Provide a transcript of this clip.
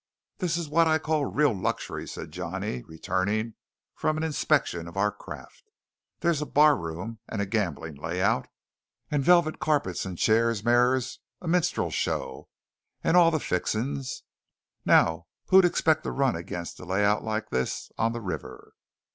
"This is what I call real luxury," said Johnny, returning from an inspection of our craft. "There's a barroom, and a gambling layout, and velvet carpets and chairs, mirrors, a minstrel show, and all the fixings. Now who'd expect to run against a layout like this on the river?"